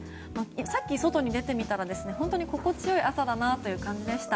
さっき外に出てみたら心地良い朝だなという感じでした。